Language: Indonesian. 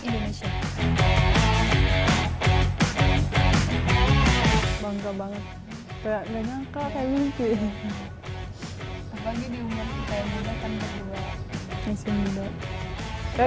indonesia bangga banget kayaknya kaya mimpi